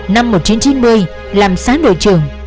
năm một nghìn chín trăm chín mươi làm sán đội trưởng